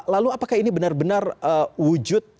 lalu apakah ini benar benar wujud